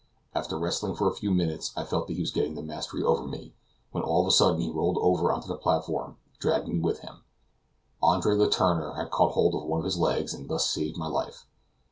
After wrestling for a few minutes, I felt that he was getting the mastery over me, when all of a sudden he rolled over on to the platform, dragging me with him. Andre Letourneur had caught hold of one of his legs, and thus saved my life.